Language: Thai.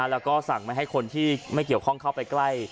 แล้วก็สั่งไม่ให้คนที่ไม่เกี่ยวข้องเข้าไปใกล้